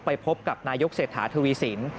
ไปพบกับนายกเศรษฐาทวีสิน